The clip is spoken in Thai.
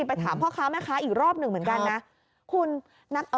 ไปถามพ่อค้าแม่ค้าอีกรอบหนึ่งเหมือนกันนะ